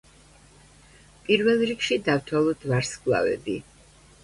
პირველ რიგში დავთვალოთ ვარსკვლავები.